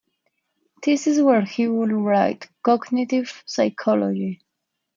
This is where he would write "Cognitive Psychology".